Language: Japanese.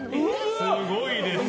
すごいです。